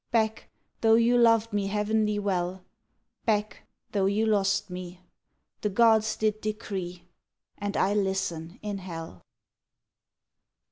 Back, though you loved me heavenly well, Back, though you lost me. The gods did decree, And I listen in hell.